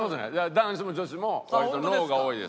男子も女子も割とＮＯが多いです。